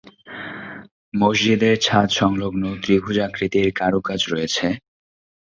মসজিদের ছাদ সংলগ্ন ত্রিভুজ আকৃতির কারুকাজ রয়েছে।